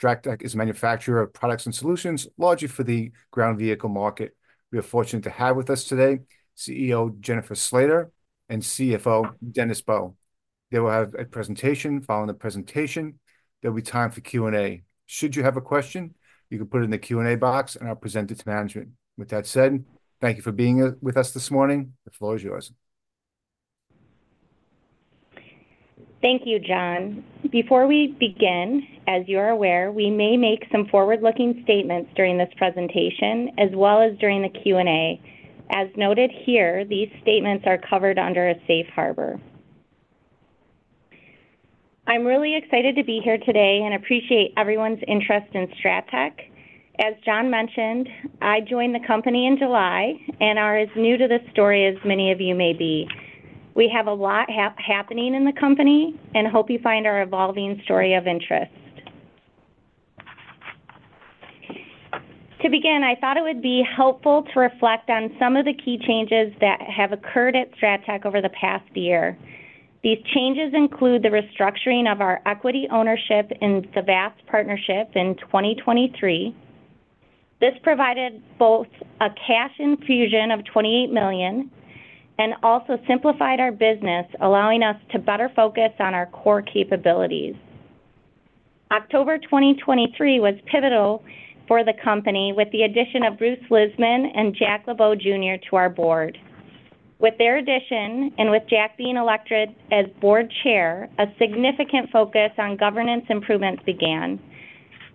STRATTEC is a manufacturer of products and solutions, largely for the ground vehicle market. We are fortunate to have with us today CEO, Jennifer Slater, and CFO, Dennis Bowe. They will have a presentation. Following the presentation, there'll be time for Q&A. Should you have a question, you can put it in the Q&A box, and I'll present it to management. With that said, thank you for being here with us this morning. The floor is yours. Thank you, John. Before we begin, as you are aware, we may make some forward-looking statements during this presentation, as well as during the Q&A. As noted here, these statements are covered under a safe harbor. I'm really excited to be here today and appreciate everyone's interest in STRATTEC. As John mentioned, I joined the company in July and am as new to this story as many of you may be. We have a lot happening in the company, and hope you find our evolving story of interest. To begin, I thought it would be helpful to reflect on some of the key changes that have occurred at STRATTEC over the past year. These changes include the restructuring of our equity ownership in the VAST Partnership in 2023. This provided both a cash infusion of $28 million and also simplified our business, allowing us to better focus on our core capabilities. October 2023 was pivotal for the company, with the addition of Bruce Lisman and Jack LeBeau Jr. to our board. With their addition, and with Jack being elected as board chair, a significant focus on governance improvements began.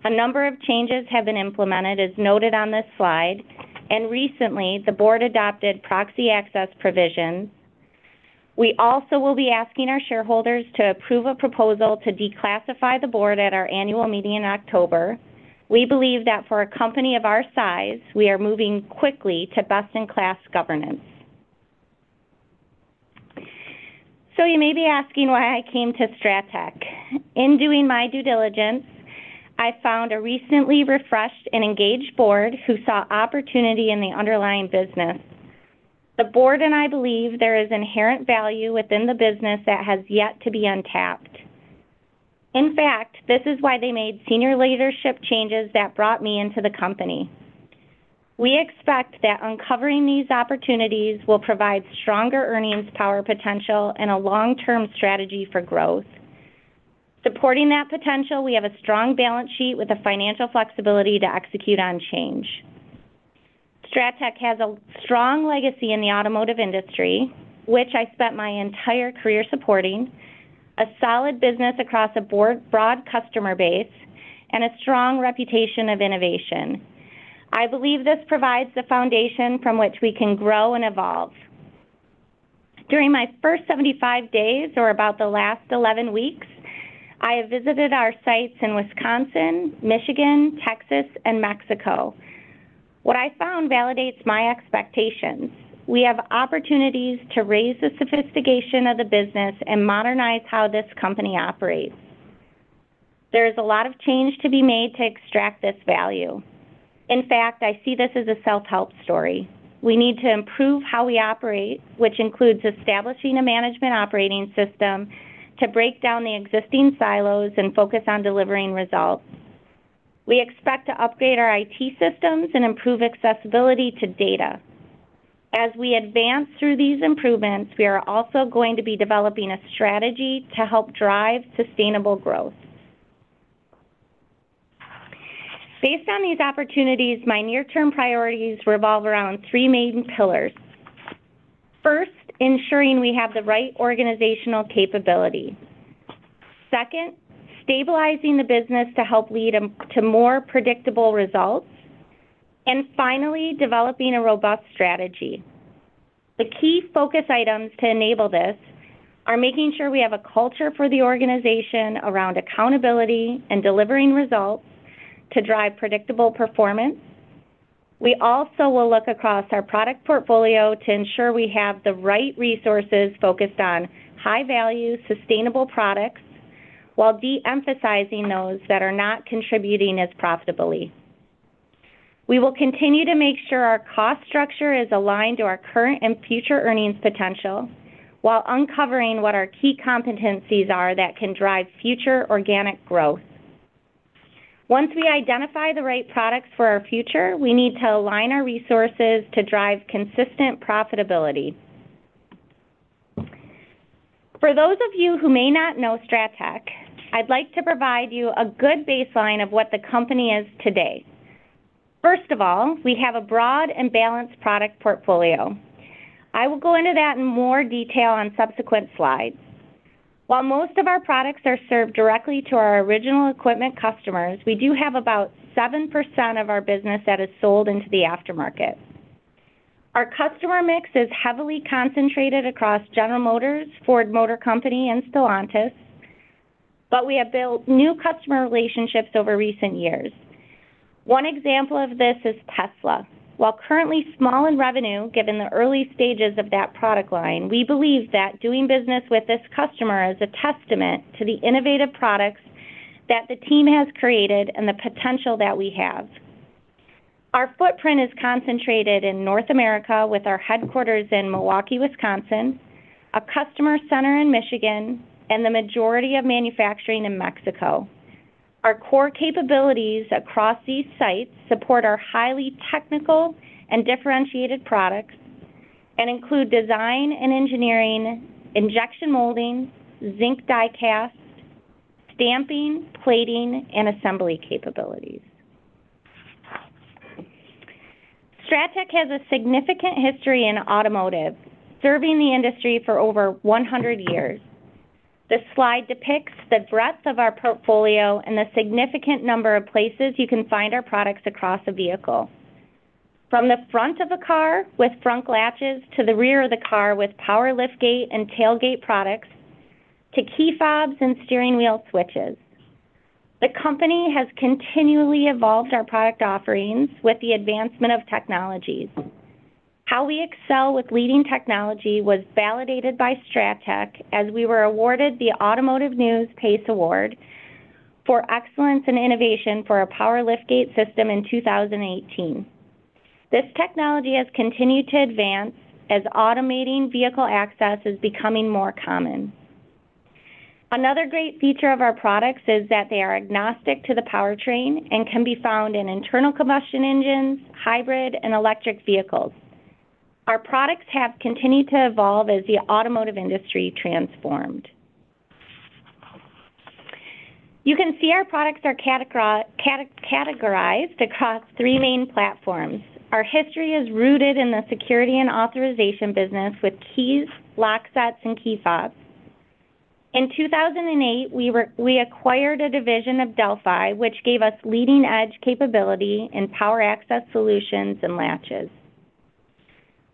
A number of changes have been implemented, as noted on this slide, and recently, the board adopted proxy access provisions. We also will be asking our shareholders to approve a proposal to declassify the board at our annual meeting in October. We believe that for a company of our size, we are moving quickly to best-in-class governance. So you may be asking why I came to STRATTEC. In doing my due diligence, I found a recently refreshed and engaged board who saw opportunity in the underlying business. The board and I believe there is inherent value within the business that has yet to be untapped. In fact, this is why they made senior leadership changes that brought me into the company. We expect that uncovering these opportunities will provide stronger earnings, power, potential, and a long-term strategy for growth. Supporting that potential, we have a strong balance sheet with the financial flexibility to execute on change. STRATTEC has a strong legacy in the automotive industry, which I spent my entire career supporting, a solid business across a broad customer base, and a strong reputation of innovation. I believe this provides the foundation from which we can grow and evolve. During my first seventy-five days or about the last eleven weeks, I have visited our sites in Wisconsin, Michigan, Texas, and Mexico. What I found validates my expectations. We have opportunities to raise the sophistication of the business and modernize how this company operates. There is a lot of change to be made to extract this value. In fact, I see this as a self-help story. We need to improve how we operate, which includes establishing a management operating system, to break down the existing silos and focus on delivering results. We expect to upgrade our IT systems and improve accessibility to data. As we advance through these improvements, we are also going to be developing a strategy to help drive sustainable growth. Based on these opportunities, my near-term priorities revolve around three main pillars. First, ensuring we have the right organizational capability. Second, stabilizing the business to help lead to more predictable results, and finally, developing a robust strategy. The key focus items to enable this are making sure we have a culture for the organization around accountability and delivering results to drive predictable performance. We also will look across our product portfolio to ensure we have the right resources focused on high-value, sustainable products, while de-emphasizing those that are not contributing as profitably. We will continue to make sure our cost structure is aligned to our current and future earnings potential, while uncovering what our key competencies are that can drive future organic growth. Once we identify the right products for our future, we need to align our resources to drive consistent profitability. For those of you who may not know STRATTEC, I'd like to provide you a good baseline of what the company is today. First of all, we have a broad and balanced product portfolio. I will go into that in more detail on subsequent slides. While most of our products are served directly to our original equipment customers, we do have about 7% of our business that is sold into the aftermarket. Our customer mix is heavily concentrated across General Motors, Ford Motor Company, and Stellantis, but we have built new customer relationships over recent years. One example of this is Tesla. While currently small in revenue, given the early stages of that product line, we believe that doing business with this customer is a testament to the innovative products that the team has created and the potential that we have.... Our footprint is concentrated in North America, with our headquarters in Milwaukee, Wisconsin, a customer center in Michigan, and the majority of manufacturing in Mexico. Our core capabilities across these sites support our highly technical and differentiated products and include design and engineering, injection molding, zinc die-cast, stamping, plating, and assembly capabilities. STRATTEC has a significant history in automotive, serving the industry for over one hundred years. This slide depicts the breadth of our portfolio and the significant number of places you can find our products across a vehicle. From the front of a car with front latches, to the rear of the car with power liftgate and tailgate products, to key fobs and steering wheel switches. The company has continually evolved our product offerings with the advancement of technologies. How we excel with leading technology was validated by STRATTEC as we were awarded the Automotive News PACE Award for excellence in innovation for our power liftgate system in 2018. This technology has continued to advance as automating vehicle access is becoming more common. Another great feature of our products is that they are agnostic to the powertrain and can be found in internal combustion engines, hybrid, and electric vehicles. Our products have continued to evolve as the automotive industry transformed. You can see our products are categorized across three main platforms. Our history is rooted in the security and authorization business, with keys, lock sets, and key fobs. In 2008, we acquired a division of Delphi, which gave us leading-edge capability in power access solutions and latches.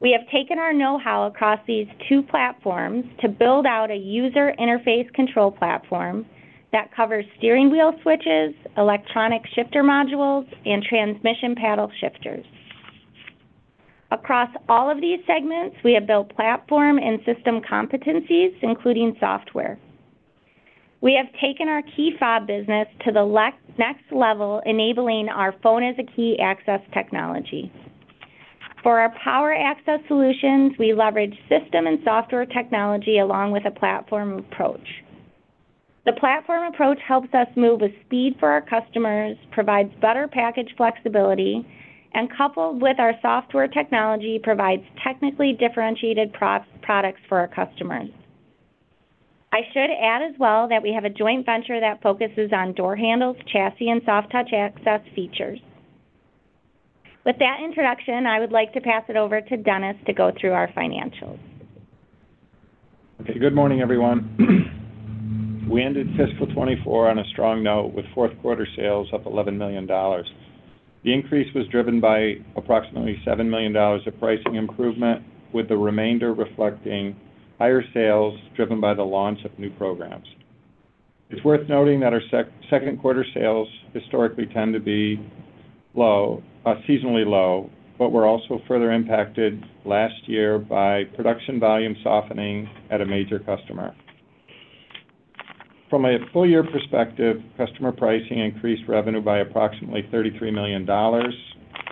We have taken our know-how across these two platforms to build out a user interface control platform that covers steering wheel switches, electronic shifter modules, and transmission paddle shifters. Across all of these segments, we have built platform and system competencies, including software. We have taken our key fob business to the next level, enabling our Phone as a Key access technology. For our power access solutions, we leverage system and software technology along with a platform approach. The platform approach helps us move with speed for our customers, provides better package flexibility, and coupled with our software technology, provides technically differentiated products for our customers. I should add as well that we have a joint venture that focuses on door handles, fascias, and soft touch access features. With that introduction, I would like to pass it over to Dennis to go through our financials. Okay. Good morning, everyone. We ended fiscal twenty-four on a strong note, with fourth quarter sales up $11 million. The increase was driven by approximately $7 million of pricing improvement, with the remainder reflecting higher sales driven by the launch of new programs. It's worth noting that our second quarter sales historically tend to be low, seasonally low, but were also further impacted last year by production volume softening at a major customer. From a full year perspective, customer pricing increased revenue by approximately $33 million,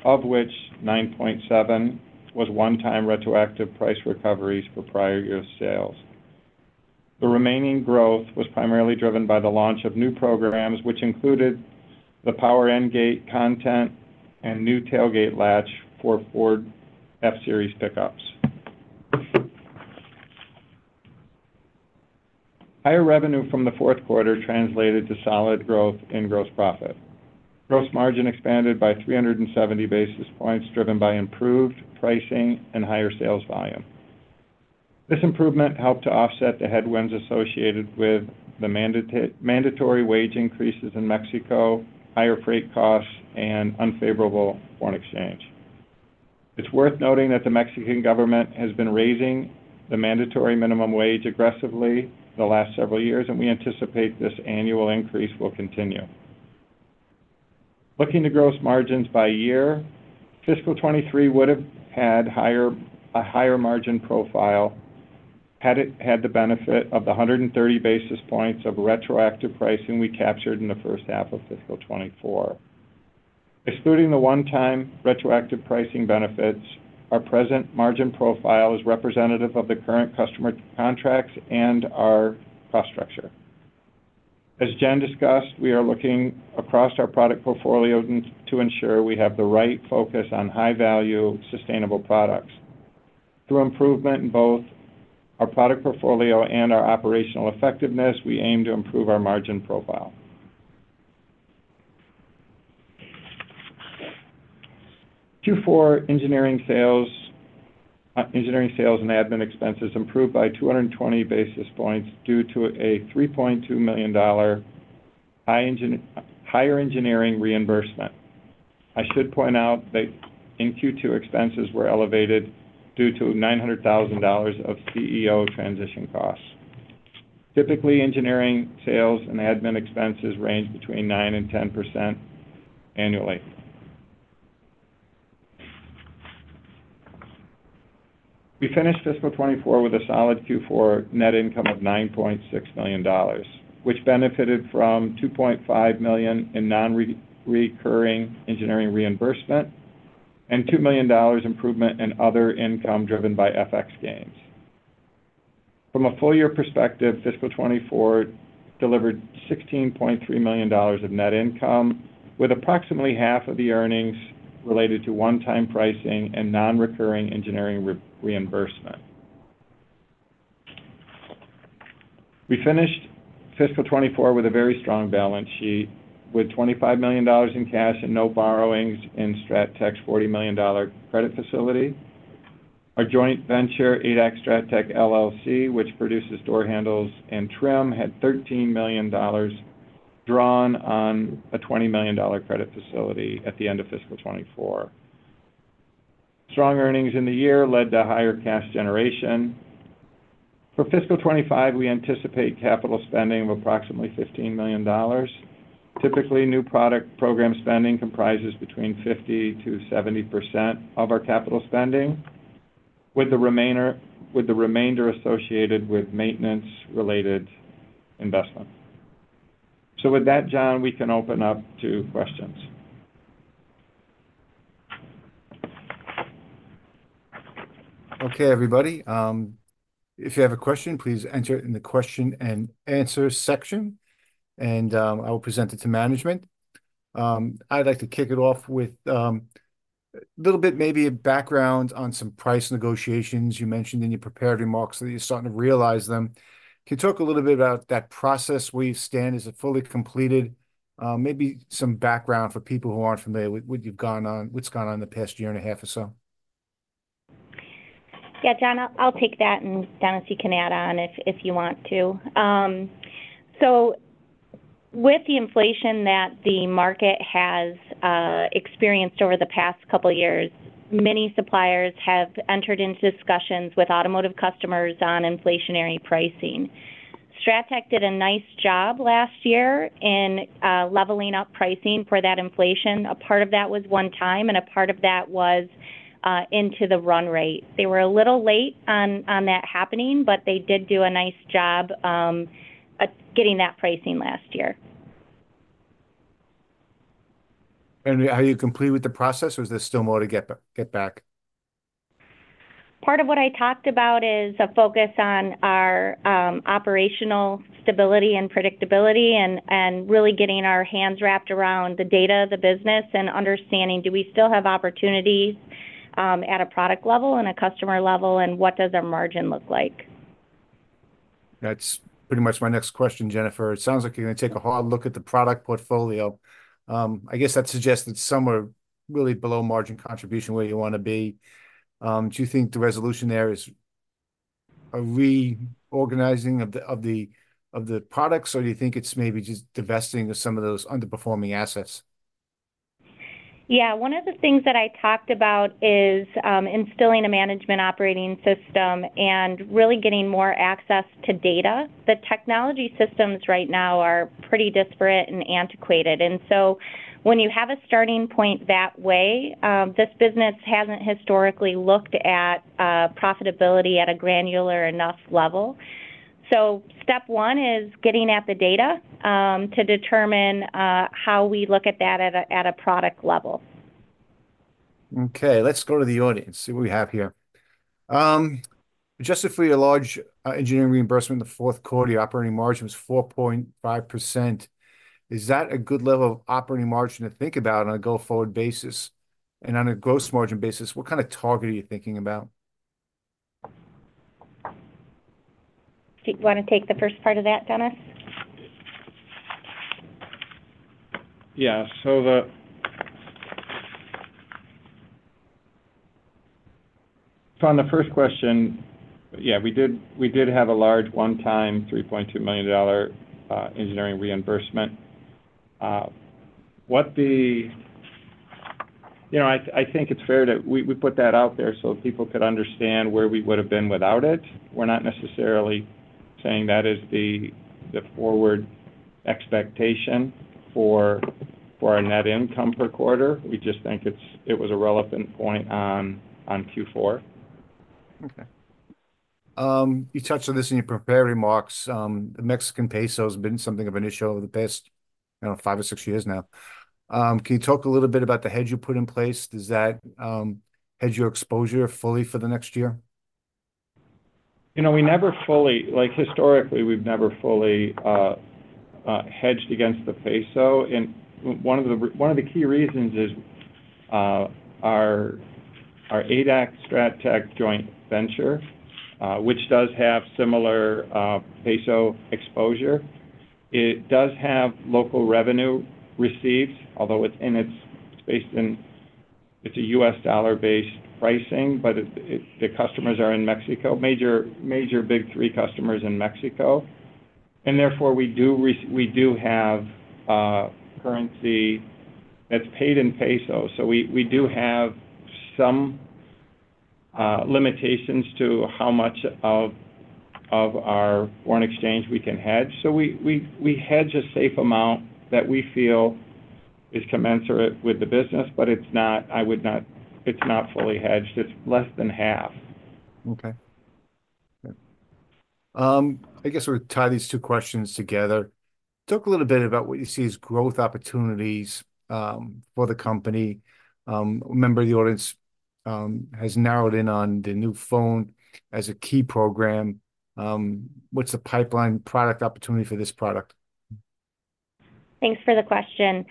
of which $9.7 was one-time retroactive price recoveries for prior year sales. The remaining growth was primarily driven by the launch of new programs, which included the power endgate content and new tailgate latch for Ford F-Series pickups. Higher revenue from the fourth quarter translated to solid growth in gross profit. Gross margin expanded by 370 basis points, driven by improved pricing and higher sales volume. This improvement helped to offset the headwinds associated with the mandatory wage increases in Mexico, higher freight costs, and unfavorable foreign exchange. It's worth noting that the Mexican government has been raising the mandatory minimum wage aggressively the last several years, and we anticipate this annual increase will continue. Looking to gross margins by year, fiscal 2023 would have had a higher margin profile, had it had the benefit of the 130 basis points of retroactive pricing we captured in the first half of fiscal 2024. Excluding the one-time retroactive pricing benefits, our present margin profile is representative of the current customer contracts and our cost structure. As Jen discussed, we are looking across our product portfolio to ensure we have the right focus on high-value, sustainable products. Through improvement in both our product portfolio and our operational effectiveness, we aim to improve our margin profile. Q4 engineering sales, engineering sales and admin expenses improved by two hundred and twenty basis points due to a $3.2 million higher engineering reimbursement. I should point out that in Q2, expenses were elevated due to $900,000 of CEO transition costs. Typically, engineering, sales, and admin expenses range between 9% and 10% annually. We finished fiscal 2024 with a solid Q4 net income of $9.6 million, which benefited from $2.5 million in non-recurring engineering reimbursement, and $2 million improvement in other income, driven by FX gains. From a full year perspective, fiscal 2024 delivered $16.3 million of net income, with approximately half of the earnings related to one-time pricing and non-recurring engineering reimbursement. We finished fiscal 2024 with a very strong balance sheet, with $25 million in cash and no borrowings in STRATTEC's $40 million credit facility. Our joint venture, ADAC-STRATTEC LLC, which produces door handles and trim, had $13 million drawn on a $20 million credit facility at the end of fiscal 2024. Strong earnings in the year led to higher cash generation. For fiscal 2025, we anticipate capital spending of approximately $15 million. Typically, new product program spending comprises between 50% to 70% of our capital spending, with the remainder associated with maintenance-related investments. So with that, John, we can open up to questions. Okay, everybody, if you have a question, please enter it in the question and answer section, and, I will present it to management. I'd like to kick it off with a little bit maybe of background on some price negotiations you mentioned in your prepared remarks, that you're starting to realize them. Can you talk a little bit about that process, where you stand? Is it fully completed? Maybe some background for people who aren't familiar with what's gone on in the past year and a half or so. Yeah, John, I'll take that, and, Dennis, you can add on if you want to. So with the inflation that the market has experienced over the past couple of years, many suppliers have entered into discussions with automotive customers on inflationary pricing. STRATTEC did a nice job last year in leveling-up pricing for that inflation. A part of that was one time, and a part of that was into the run rate. They were a little late on that happening, but they did do a nice job at getting that pricing last year. And are you complete with the process, or is there still more to get back? Part of what I talked about is a focus on our operational stability and predictability, and really getting our hands wrapped around the data of the business and understanding, do we still have opportunities at a product level and a customer level, and what does our margin look like? That's pretty much my next question, Jennifer. It sounds like you're gonna take a hard look at the product portfolio. I guess that suggests that some are really below margin contribution where you want to be. Do you think the resolution there is a reorganizing of the products, or do you think it's maybe just divesting of some of those underperforming assets? Yeah, one of the things that I talked about is instilling a management operating system and really getting more access to data. The technology systems right now are pretty disparate and antiquated, and so when you have a starting point that way, this business hasn't historically looked at profitability at a granular enough level. So step one is getting at the data to determine how we look at that at a product level. Okay, let's go to the audience, see what we have here. Just for your large engineering reimbursement in the fourth quarter, your operating margin was 4.5%. Is that a good level of operating margin to think about on a go-forward basis? And on a gross margin basis, what kind of target are you thinking about? Do you wanna take the first part of that, Dennis? Yeah. So on the first question, yeah, we did have a large one-time $3.2 million engineering reimbursement. You know, I think it's fair that we put that out there so people could understand where we would've been without it. We're not necessarily saying that is the forward expectation for our net income per quarter. We just think it was a relevant point on Q4. Okay. You touched on this in your prepared remarks, the Mexican peso has been something of an issue over the past, you know, five or six years now. Can you talk a little bit about the hedge you put in place? Does that hedge your exposure fully for the next year? You know, we never fully. Like, historically, we've never fully hedged against the peso. And one of the key reasons is our ADAC-STRATTEC joint venture, which does have similar peso exposure. It does have local revenue receipts, although it's a U.S. dollar-based pricing, but the customers are in Mexico, major big three customers in Mexico. And therefore, we do have currency that's paid in pesos. So we hedge a safe amount that we feel is commensurate with the business, but it's not fully hedged. It's less than half. Okay. I guess we'll tie these two questions together. Talk a little bit about what you see as growth opportunities for the company. A member of the audience has narrowed in on the new phone as a key program. What's the pipeline product opportunity for this product? Thanks for the question.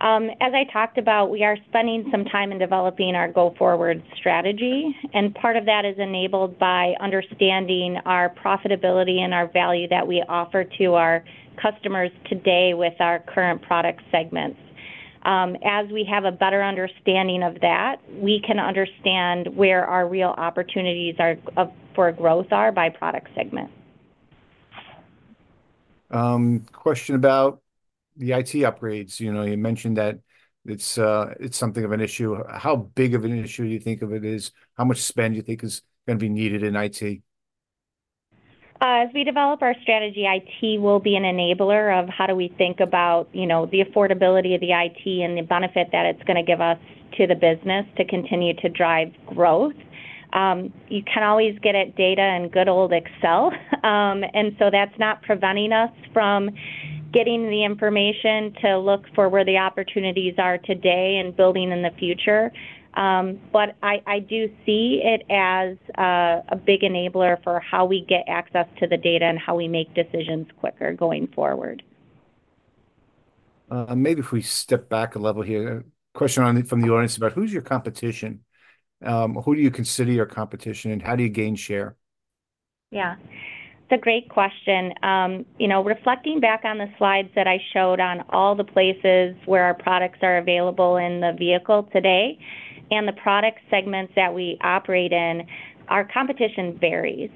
As I talked about, we are spending some time in developing our go-forward strategy, and part of that is enabled by understanding our profitability and our value that we offer to our customers today with our current product segments. As we have a better understanding of that, we can understand where our real opportunities for growth are by product segment. Question about the IT upgrades. You know, you mentioned that it's something of an issue. How big of an issue do you think of it is? How much spend do you think is gonna be needed in IT? As we develop our strategy, IT will be an enabler of how we think about, you know, the affordability of the IT and the benefit that it's gonna give us to the business to continue to drive growth. You can always get at data in good old Excel, and so that's not preventing us from getting the information to look for where the opportunities are today and building in the future. But I do see it as a big enabler for how we get access to the data and how we make decisions quicker going forward. Maybe if we step back a level here. A question from the audience about who's your competition? Who do you consider your competition, and how do you gain share? Yeah. It's a great question. You know, reflecting back on the slides that I showed on all the places where our products are available in the vehicle today and the product segments that we operate in, our competition varies.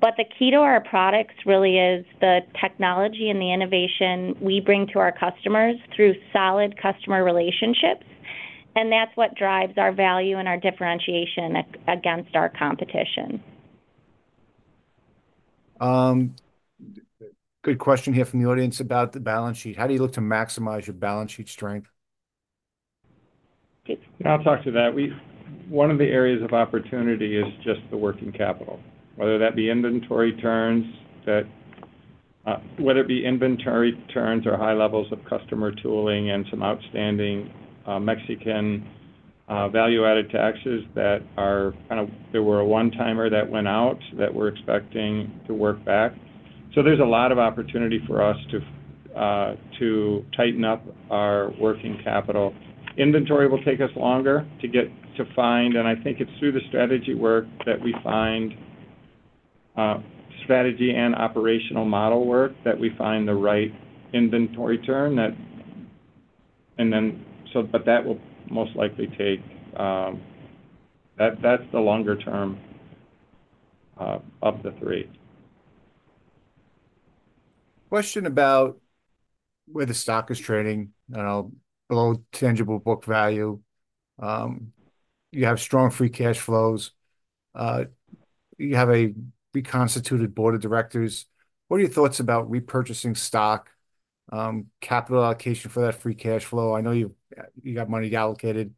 But the key to our products really is the technology and the innovation we bring to our customers through solid customer relationships, and that's what drives our value and our differentiation against our competition. Good question here from the audience about the balance sheet. How do you look to maximize your balance sheet strength? I'll talk to that. We one of the areas of opportunity is just the working capital, whether that be inventory turns or high levels of customer tooling and some outstanding Mexican value-added taxes that were a one-timer that went out, that we're expecting to work back. So there's a lot of opportunity for us to to tighten up our working capital. Inventory will take us longer to get to find, and I think it's through the strategy work that we find strategy and operational model work, that we find the right inventory turn that. And then, so but that will most likely take. That, that's the longer term of the three. Question about where the stock is trading below tangible book value. You have strong free cash flows. You have a reconstituted board of directors. What are your thoughts about repurchasing stock, capital allocation for that free cash flow? I know you've, you got money allocated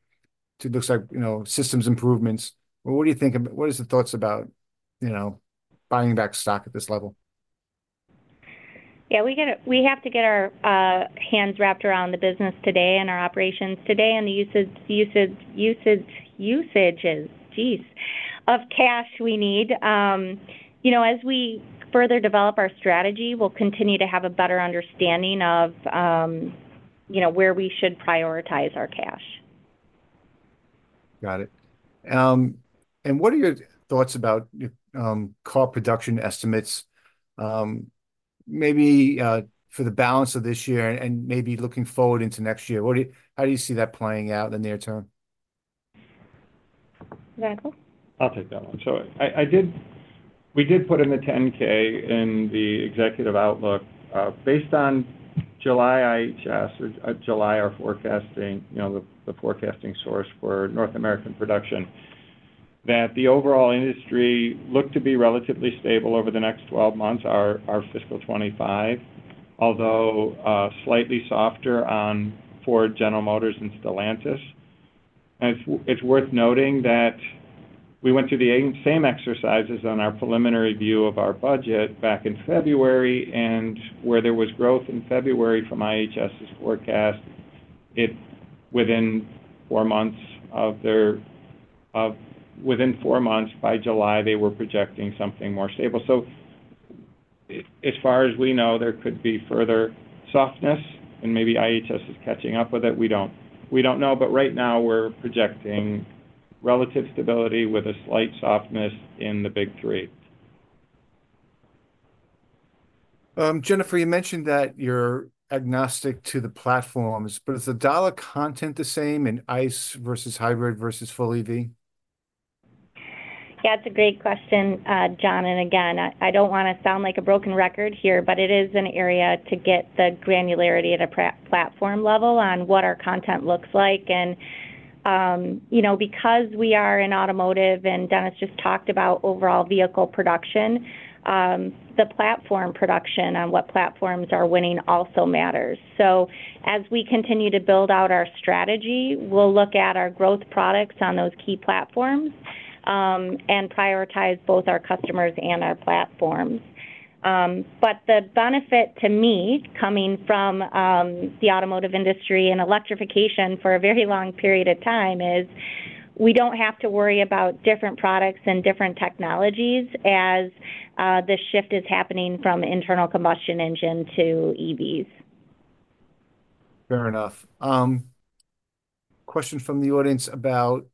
to, looks like, you know, systems improvements. But what do you think about what is the thoughts about, you know, buying back stock at this level? Yeah, we have to get our hands wrapped around the business today and our operations today, and the usage of cash we need. You know, as we further develop our strategy, we'll continue to have a better understanding of, you know, where we should prioritize our cash. Got it. And what are your thoughts about car production estimates, maybe, for the balance of this year and maybe looking forward into next year? How do you see that playing out in the near term? Michael? I'll take that one. So we did put in the 10-K in the executive outlook, based on July IHS, July, our forecasting, you know, the, the forecasting source for North American production, that the overall industry looked to be relatively stable over the next twelve months, our, our fiscal 2025, although, slightly softer on Ford, General Motors, and Stellantis. And it's worth noting that we went through the same exercises on our preliminary view of our budget back in February, and where there was growth in February from IHS's forecast, it within four months of their, within four months by July, they were projecting something more stable. So as far as we know, there could be further softness, and maybe IHS is catching up with it. We don't know, but right now, we're projecting relative stability with a slight softness in the big three. Jennifer, you mentioned that you're agnostic to the platforms, but is the dollar content the same in ICE versus hybrid versus full EV? That's a great question, John, and again, I don't wanna sound like a broken record here, but it is an area to get the granularity at a platform level on what our content looks like, you know, because we are in automotive, and Dennis just talked about overall vehicle production, the platform production on what platforms are winning also matters. So as we continue to build out our strategy, we'll look at our growth products on those key platforms, and prioritize both our customers and our platforms. But the benefit to me, coming from the automotive industry and electrification for a very long period of time, is we don't have to worry about different products and different technologies as the shift is happening from internal combustion engine to EVs. Fair enough. Question from the audience about,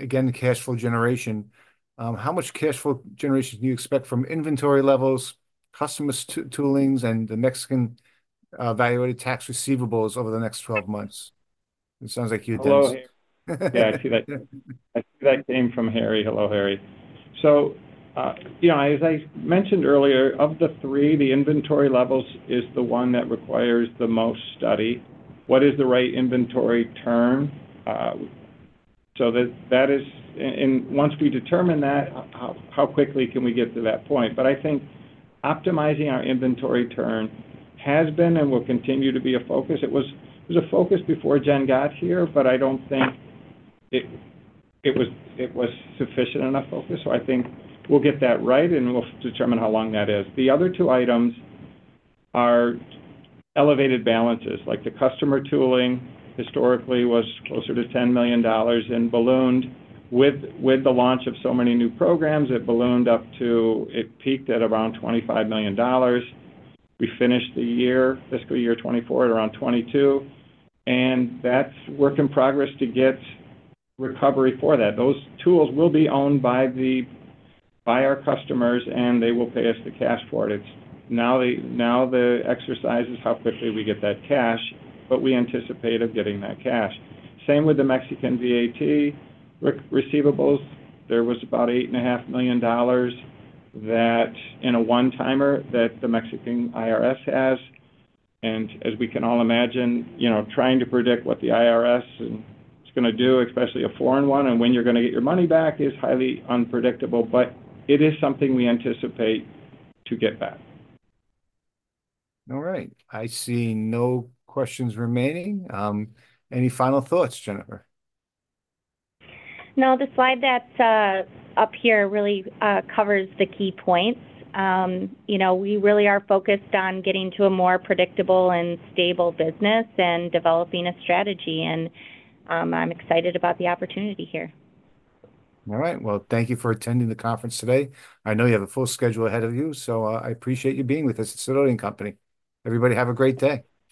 again, the cash flow generation. How much cash flow generation do you expect from inventory levels, customer toolings, and the Mexican value-added tax receivables over the next twelve months? It sounds like you, Dennis. Yeah, I see that. I see that came from Harry. Hello, Harry. So, yeah, as I mentioned earlier, of the three, the inventory levels is the one that requires the most study. What is the right inventory term? So that and once we determine that, how quickly can we get to that point? But I think optimizing our inventory turn has been and will continue to be a focus. It was a focus before Jen got here, but I don't think it was sufficient enough focus. So I think we'll get that right, and we'll determine how long that is. The other two items are elevated balances, like the customer tooling historically was closer to $10 million and ballooned. With the launch of so many new programs, it ballooned up to... It peaked at around $25 million. We finished the year, fiscal year 2024, at around $22 million, and that's work in progress to get recovery for that. Those tools will be owned by our customers, and they will pay us the cash for it. It's now the exercise is how quickly we get that cash, but we anticipate of getting that cash. Same with the Mexican VAT receivables. There was about $8.5 million that, in a one-timer, the Mexican IRS has, and as we can all imagine, you know, trying to predict what the IRS is gonna do, especially a foreign one, and when you're gonna get your money back, is highly unpredictable, but it is something we anticipate to get back. All right. I see no questions remaining. Any final thoughts, Jennifer? No, the slide that's up here really covers the key points. You know, we really are focused on getting to a more predictable and stable business and developing a strategy, and I'm excited about the opportunity here. All right. Well, thank you for attending the conference today. I know you have a full schedule ahead of you, so, I appreciate you being with us at Sidoti & Company. Everybody, have a great day.